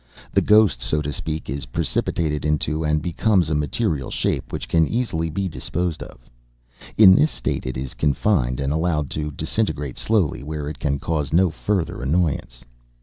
The ghost, so to speak, is precipitated into and becomes a material shape which can easily be disposed of. In this state it is confined and allowed to disintegrate slowly where it can cause no further annoyance.